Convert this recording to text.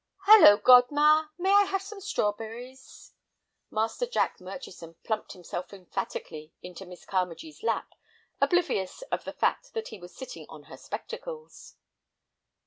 "Hello, godma! may I have some strawberries?" Master Jack Murchison plumped himself emphatically into Miss Carmagee's lap, oblivious of the fact that he was sitting on her spectacles.